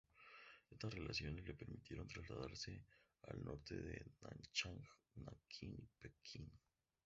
Estas relaciones le permitieron trasladarse al norte a Nanchang, Nankín y Pekín.